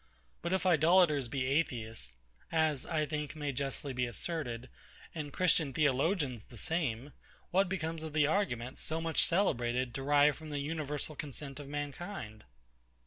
But if idolaters be Atheists, as, I think, may justly be asserted, and Christian Theologians the same, what becomes of the argument, so much celebrated, derived from the universal consent of mankind?